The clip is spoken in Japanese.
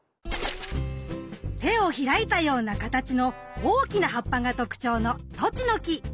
手を開いたような形の大きな葉っぱが特徴のトチノキ。